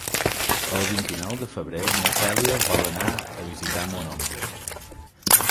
El vint-i-nou de febrer na Cèlia vol anar a visitar mon oncle.